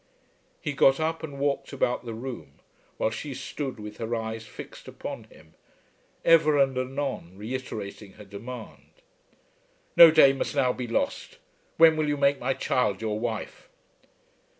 He got up and walked about the room, while she stood with her eyes fixed upon him, ever and anon reiterating her demand. "No day must now be lost. When will you make my child your wife?"